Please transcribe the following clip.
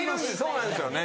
そうなんですよね。